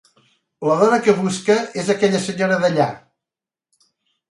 La dona que busca és aquella senyora d'allà.